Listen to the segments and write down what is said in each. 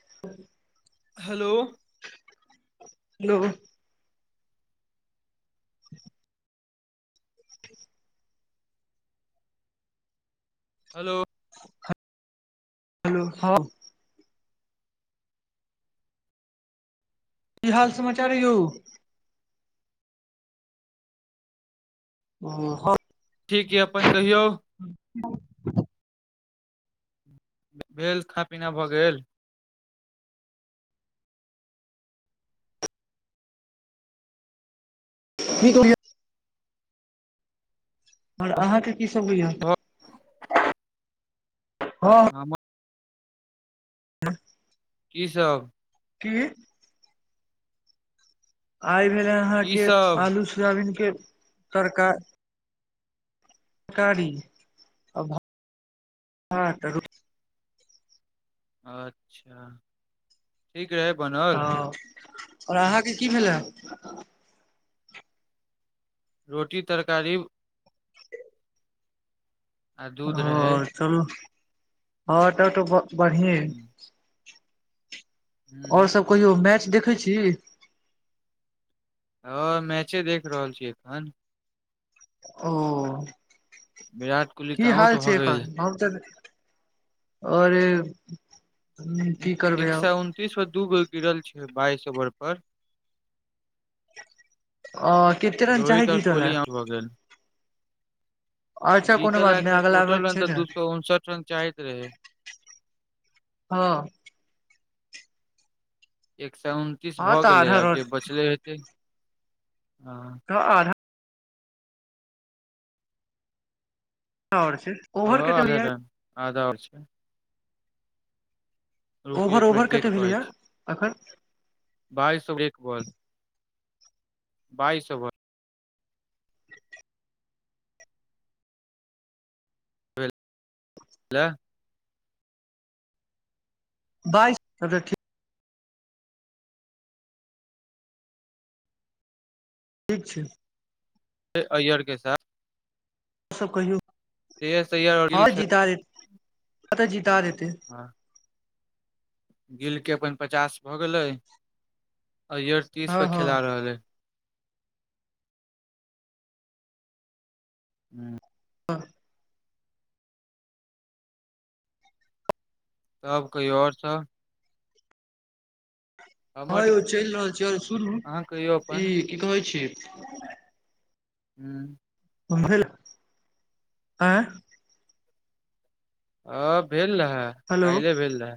[inaudible] हेल हेल हेल हेलो ह की हाल समाचार है य हं ठीक यै अपन कहिय भेल खा पीना भऽ गे [unintelligible] ओर अहा के की सब होइ भऽ- ह हा [unintelligible] की स क आइ भेले की अहाके सब आलू सोयाबीन के तड़क तरकारी आ भात रोट अच्छ ठीक है बना ह आओर अहाँके की भेल रोटी तरकार [inaudible] आ दूध रहै हँ चलू हँ टट बढ़ि आओर हूँ सब कहियौ मैच देखै छ ह मैचे देख रहल छीय एख ओ बिरा की हाल छै एन अर एक सए उनतीस पर दू गो गिरल छै बाइस ओवर प अ कते रन चाही रोहित आऔर जीतऽ लए कोहली यह भऽ गे अच्छा कोनो जीतल ल बात नहि के अगला टोटल मैच रन छै तऽ ने दू सए उनसठ रन चाहै रहे ह एक सए उनतीस हँ भऽ तऽ गेलै आधा आब रोड जे बचलै हेत हँ तऽ आ आओर छ हध आधा आ छ रुक ओवर एक मिनट ओवर देख कते कहै भेलैया छै अखन बइ एक बॉ बइस हेल बास ठीक छ अयरके सा ओ सब कहियौ श्रेयस अय्यर और हँ गिल खेल जता देत कतऽ जीता देत हँ गिल के अपन पचास भए गेलै आ तीस हँ पर हँ खेला रहल अय हू हँ तब कहियो आओर सब हमर हँ यौ चलि रहल छी आरो सुनू अहाँ कहियौ ई अपन की कहै छी हूँ ओ ल आय आ भेल रहै हेलो काल्हि भेल रहै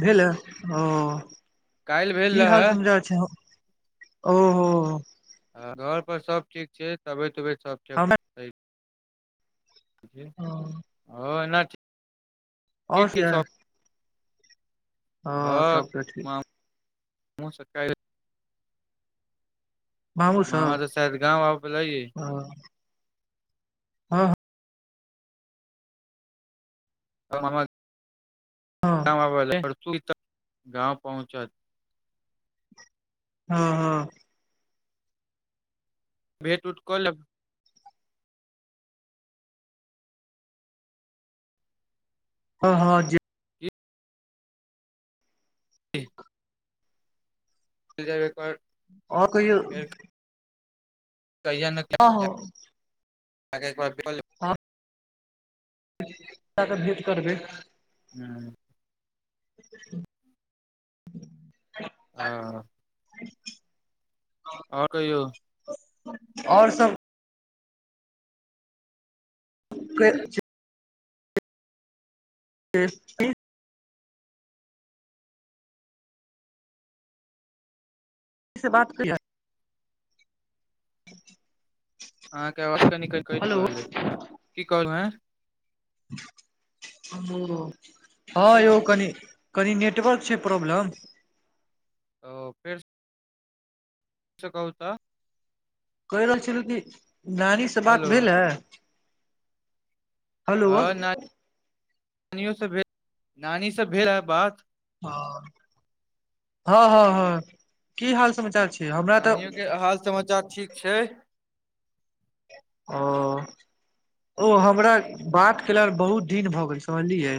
भेलअ ओ काल्हि भेल की हाल रहै समचा छै ओहो अ घर पर सब ठीक छै तब तबत सबठ हमरा ओ एना आओ ठीक छै किये सब हँ तब तऽ ठीक मा मो से का मामू ममाा सब त शायद गाँव आव लै हँ हँ हँ गाँव पहुँचत [unintelligible] हँ हँ भेट उठक ले ह हँ ज बे र [unintelligible] ओ कहियौ कहिया न ह त [unintelligible] आ क त भेट करबै हूँ ह ह [unintelligible] आ [inaudible] आओर कहियो आओर सब क छै त [unintelligible] से बात क ठीक अहाँके आवाज कनि क कैट रहल ह की कहलू हैं ओ हँ फेर यौ कनि कनि नेटवर्क छै प्रॉब्लम ओ फेर क कहू त कहि रहल छलहुँ कि नानीसँ बात हेलो भेल हे हेलो हँ नानी नानियोसँ भेल नानीसँ भेल ह‌ बात ह हँ हँ हँ की हाल समाचार छै हमरा तऽ नानियोके हाल समाचार ठीक छै ओ ओ हमरा बात केल बहुत दिन भऽ गेल समझलियै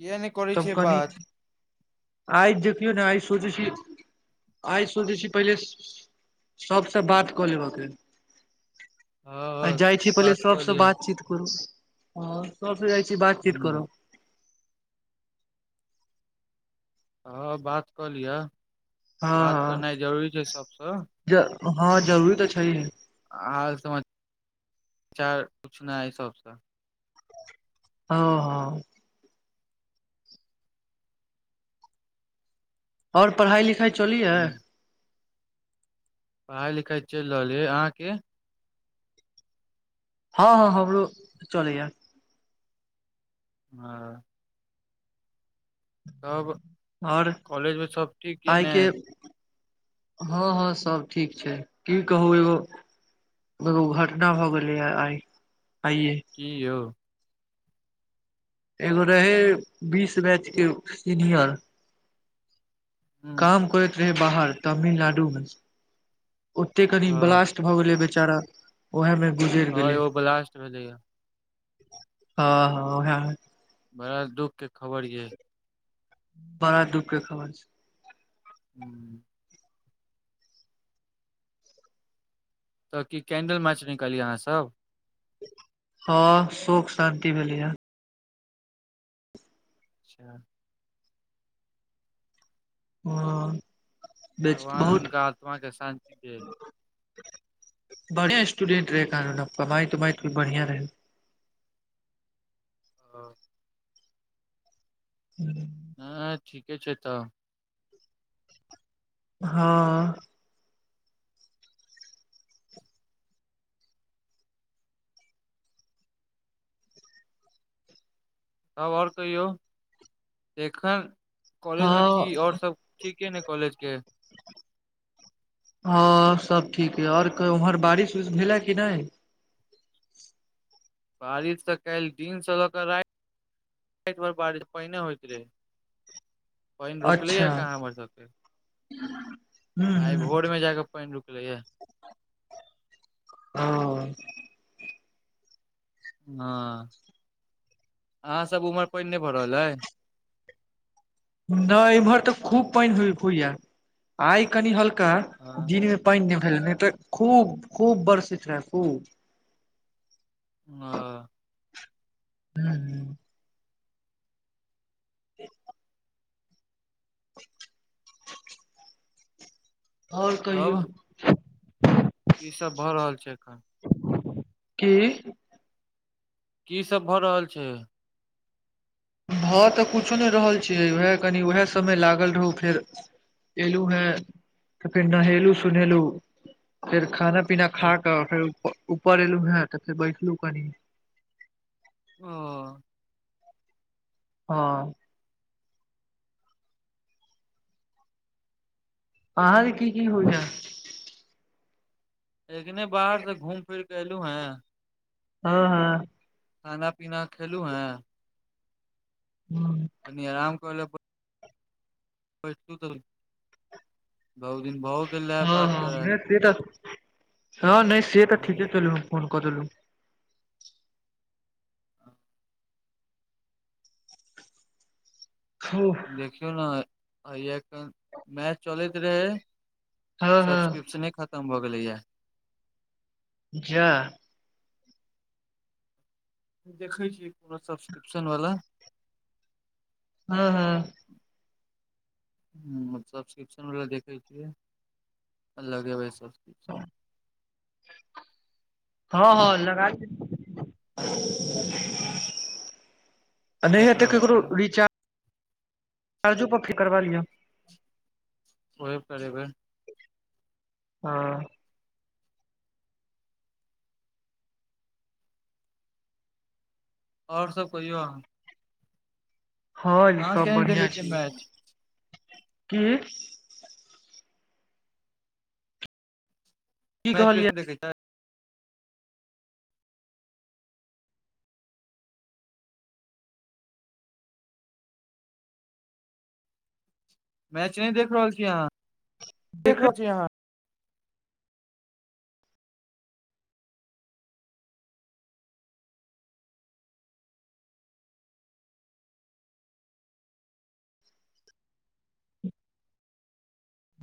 किए नहि करै छै बात आइज देखियौ ने आइज सोचै छी आइ सोचै छी पहिले सबसँ बात कऽ लेबके आ हँ जाइत छी पहिले बात कऽ सभसँ लिअ बातचीत करू ह सभसँ जाइत छी बातचीत हूँ करब हँ बात कऽ लिह हँ हँ सबसँ हँ जरूरी तऽ छै हाल सम समचार पूछना है सबसे हँ हँ आओर पढ़ाइ लिखाइ चली हइ पढ़ाई लिखाई चलि रहल य है अहाँ के हँ हँ हमरो चलैय हँ तब आओर कॉलेजमे सब ठीक य ने आइके हँ हँ सब ठीक छै की कहू एगो एगो घटना भऽ गेले ह आइ आइये की यौ एगो रहै बीस मैचके सीनियर ह हँ काम करैत रहे बाहर तमिलनाडु मे ओते कनि ब्लासट भऽ गेलै बेचारा उएहमे गुजर हँ गेलै एगो ब्लास्ट भेलैए हँ हँ ह बड़ा दुख के खबर ये बड़ा दुःख के खबर छै हू तऽ की कैंडल मार्च निकलियै अहाँ सब हँ शोक शान्ति भेलै ह अच्छा हँ भगवान बहुत उनका आत्मा के शान्ति देत बढ़िया स्टूडेंट रहै कानून कमाइ तमाई तो बढ़िया रहै ह ह हँ ठीके छै तऽ हँ तब ओर कहियौ एखन कॉलेजमे की हँ आओर ठीके ने कॉलेज के हँ सब ठीक छीऔरउम्हर बारिश वारिश भेलै कि नय बारिश ते काल्हि दिन से लऽ क राति एक बार बारिश पहिने होइत रहै पानि रुकलै या अच्छा कहाँ हमर सबके हूँ आइ हूँ भोरमे जाकऽ पानि रुकलै या ह हँ अहाँ सब उमर पानि नहि भऽ रहल अइ नहि एम्हर तऽ खूब पानि ह होइया आइ कनि हल्का हँ दिन पानि द फैल तऽ खूब खूब बर्सित रहै खूब ह हू ह ठीक आओर कहियौ ई सब भऽ रहल छै एखन की की सब भए रहल छै भ तऽ कुछो नहि रहल छियै उएह कनि उएह समय लागल रहौ फेर एलू हैं त फेर नहेलू सुहेलू फेर खाना पीना खााक‌ फेर ऊपर एलहु हें त फेर बैठलहु कनि ओ हँ आह के की की हो जा एखने बाहर से घूम फिर के एलू हें हँ हँ खाना पीना खेलु हअ हँ तनि आराम कर बैस त बहु दिन प हँ हँ नहि से त हँ नहि से तऽ ठीके केलो फोन क देलु ह देखियौ ने आ एखन मैच चलैत रहै हँ सब्सक्रिप्शने खतम भ गेलैए जा देखै छीयै कोनो सब्सक्रिप्शन वालला हँ हँ [inaudible] ह सब्सक्रिप्शन वाला देखै छियै लगेबै सब्सक्रिप्शन हँ हँ लगा आ नहि हय देख त रहल ककरो छियै रिचार्ज [unintelligible] करबा लिय ओहे करेबै हँ और सब कहियौ अहाँ और अहाँ सब किया नहि बढ़िया देखै छियै छै मैच की मैच कहलियै उसन देखै छै मैच नहि देख रहल छीयै अहाँ देख देखै रहल छी अहाँ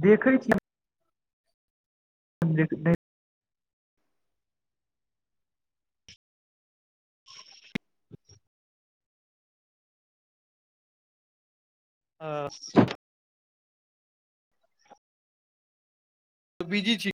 देखै छि [unintelligible] आ ह [unintelligible] त बीजी छि